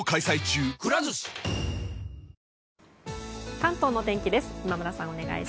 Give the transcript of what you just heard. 関東のお天気です。